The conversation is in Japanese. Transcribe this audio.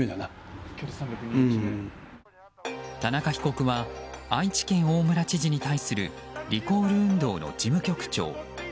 田中被告は愛知県、大村知事に対するリコール運動の事務局長。